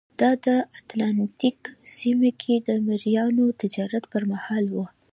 دا د اتلانتیک سیمه کې د مریانو تجارت پرمهال وه.